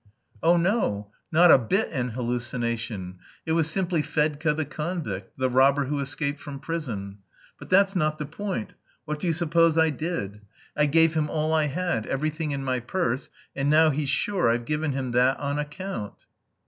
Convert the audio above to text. "Oh, no; not a bit an hallucination! It was simply Fedka the convict, the robber who escaped from prison. But that's not the point. What do you suppose I did! I gave him all I had, everything in my purse, and now he's sure I've given him that on account!"